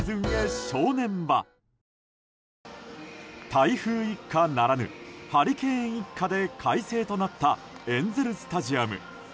台風一過ならぬハリケーン一過で快晴となったエンゼル・スタジアム。